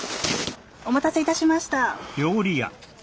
お待たせ致しました。